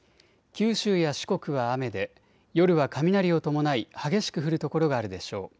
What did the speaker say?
九州や四国は雨で夜は雷を伴い激しく降る所があるでしょう。